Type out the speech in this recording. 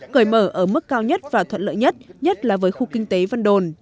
cởi mở ở mức cao nhất và thuận lợi nhất nhất là với khu kinh tế vân đồn